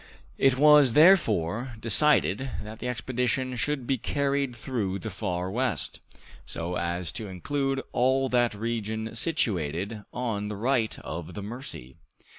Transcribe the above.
It was, therefore, decided that the expedition should be carried through the Far West, so as to include all that region situated on the right of the Mercy.